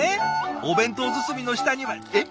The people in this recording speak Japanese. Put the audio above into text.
お弁当包みの下にはえっ？